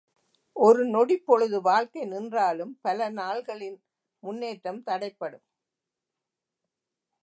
ஒரு நொடிப் பொழுது வாழ்க்கை நின்றாலும் பல நாள்களின் முன்னேற்றம் தடைப்படும்.